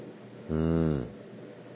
うん。